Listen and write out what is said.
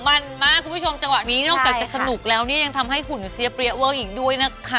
มันมากคุณผู้ชมจังหวะนี้นอกจากจะสนุกแล้วเนี่ยยังทำให้หุ่นเสียเปรี้ยเวอร์อีกด้วยนะคะ